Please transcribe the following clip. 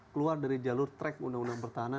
keluar dari jalur track undang undang pertahanan